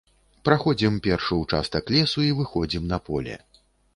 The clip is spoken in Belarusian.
Праходзім першы ўчастак лесу, і выходзім на поле.